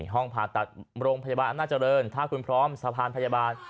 ห้องผ่าตัดโรงพยาบาลอำนาจริงถ้าคุณพร้อมสะพานพยาบาล